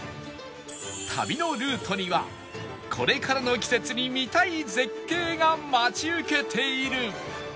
旅のルートにはこれからの季節に見たい絶景が待ち受けている